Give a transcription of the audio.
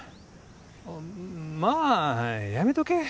あっまあやめとけ。